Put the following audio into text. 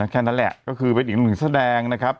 แค่นั้นแหละก็คือนิ่งมงแสดงนะครับ